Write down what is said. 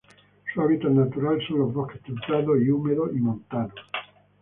Su hábitat natural son los bosques templados, húmedos y montanos.